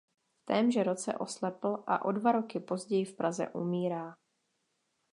V témže roce oslepl a o dva roky později v Praze umírá.